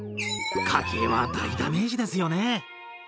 家計は大ダメージですよね。